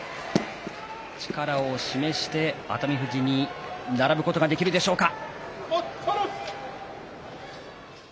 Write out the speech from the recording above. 力を示して、熱海富士に並ぶことができるでしょうか。